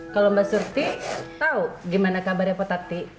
kalo mbak surti tau gimana kabarnya po tati